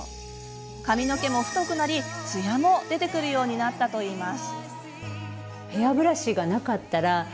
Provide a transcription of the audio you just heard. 髪の毛も太くなりつやも出てくるようになったといいます。